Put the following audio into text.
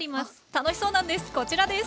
楽しそうなんです。